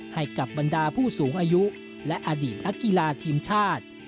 ให้กับบรรดาผู้สูงอายุและอดีตนักกีฬาทีมชาติ